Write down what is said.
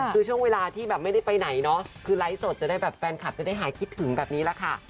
คือช่วงเวลาที่แบบไม่ได้ไปไหนเนาะคือไลฟ์สดจะได้แบบแฟนคลับจะได้หายคิดถึงแบบนี้แหละค่ะ